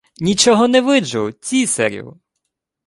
— Нічого не виджу, цісарю.